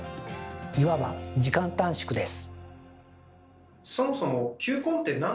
いわば時間短縮です。